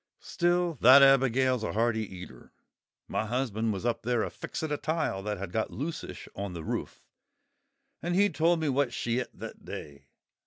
Still, that Abigail's a hearty eater! My husband was up there a fixing a tile that had got loosish on the roof, and he told me what she et that day.